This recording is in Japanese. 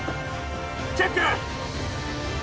チェック